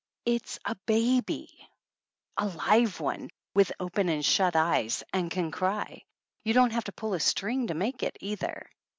It's a baby ! A live one with open and shut eyes, and can cry ; you don't have to pull a string to make it, either.